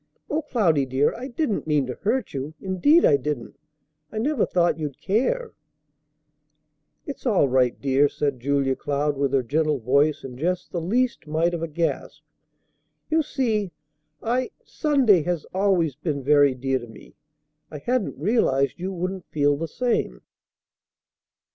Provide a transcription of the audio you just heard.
"O Cloudy, dear, I didn't mean to hurt you; indeed I didn't! I never thought you'd care." "It's all right, dear," said Julia Cloud with her gentle voice, and just the least mite of a gasp. "You see I Sunday has been always very dear to me; I hadn't realized you wouldn't feel the same."